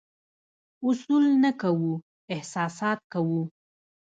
اصول نه کوو، احساسات کوو.